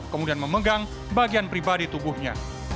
kemudian memegang bagian pribadi tubuhnya